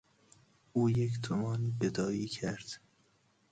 او یک تومان گدایی کرد.